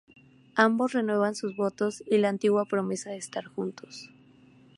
Ambos renuevan sus votos y la antigua promesa de estar juntos.